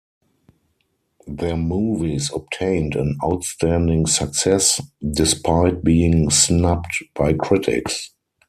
Their movies obtained an outstanding success, despite being snubbed by critics.